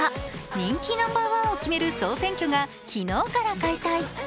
人気ナンバーワンを決める総選挙が昨日から開催。